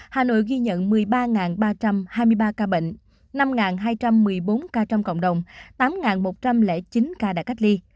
hà nội ghi nhận một mươi ba ba trăm hai mươi ba ca bệnh năm hai trăm một mươi bốn ca trong cộng đồng tám một trăm linh chín ca đã cách ly